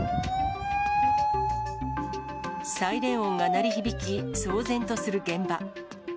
サイレン音が鳴り響き、騒然とする現場。